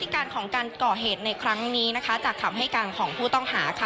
การของการก่อเหตุในครั้งนี้นะคะจากคำให้การของผู้ต้องหาค่ะ